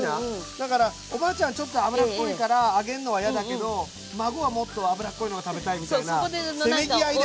だからおばあちゃんはちょっと油っぽいから揚げんのは嫌だけど孫はもっと油っこいのが食べたいみたいなせめぎ合いだよね。